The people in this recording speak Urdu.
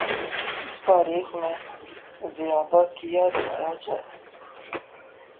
اس تاریخ میں زیادہ کیا جایا جائے۔